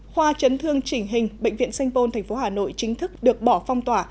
khoa chấn thương chỉnh hình bệnh viện sanh pôn tp hà nội chính thức được bỏ phong tỏa